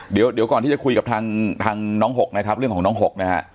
เดี๋ยวก่อนที่จะคุยกับทางน้องหกนะครับเรื่องของน้องหกนะฮะ